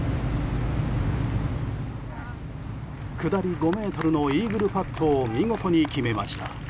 下り５ｍのイーグルパットを見事に決めました。